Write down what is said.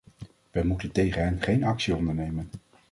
Wij moeten tegen hen geen actie ondernemen.